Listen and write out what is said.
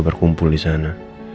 berkumpul di sana